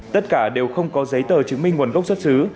tất cả đều không có giấy tờ chứng minh nguồn gốc xuất xứ